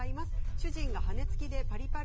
主人が羽根つきパリパリ